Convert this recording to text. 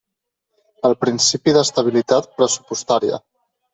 El principi d'estabilitat pressupostaria.